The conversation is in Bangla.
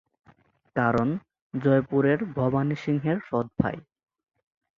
কারণ জয়পুরের ভবানী সিংহের সৎ-ভাই।